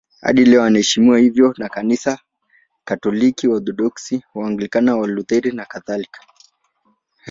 Hadi leo anaheshimiwa hivyo na Kanisa Katoliki, Waorthodoksi, Waanglikana, Walutheri nakadhalika.